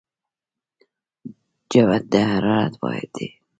جوت د حرارت واحد دی.